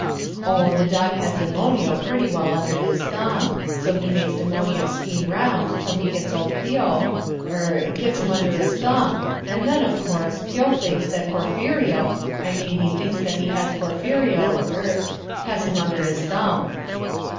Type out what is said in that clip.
"Oh, the Dog has Demonio pretty well under his thumb, so he makes Demonio scheme round till he gets old Pio er gets him under his thumb, and then, of course, Pio thinks that Porphirio I mean he thinks that he has Porphirio er has him under his thumb."